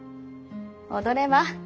踊れば。